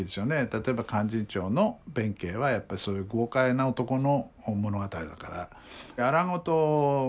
例えば「勧進帳」の弁慶はやっぱりそういう豪快な男の物語だから。